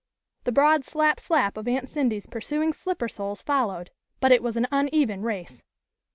The broad slap slap of Aunt Cindy's pursuing slipper soles followed, but it was an uneven race.